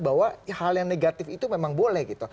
bahwa hal yang negatif itu memang boleh gitu